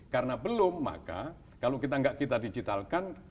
karena belum maka kalau kita tidak kita digitalkan